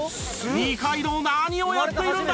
二階堂何をやっているんだ！